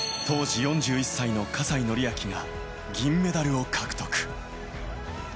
当時４１歳の葛西紀明が、銀メダルを獲得。